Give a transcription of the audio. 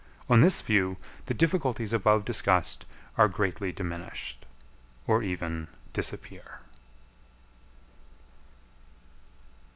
On this view the difficulties above discussed are greatly diminished or even disappear.